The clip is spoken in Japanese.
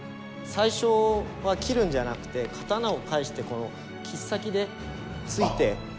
最初は斬るんじゃなくて刀を返してこの切っ先で突いて。